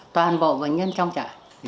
toàn bộ bệnh nhân trong trại